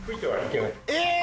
え！